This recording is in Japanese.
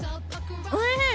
おいしい。